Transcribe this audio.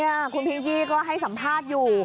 นี่คุณพิงกี้ก็ให้สัมภาษณ์อยู่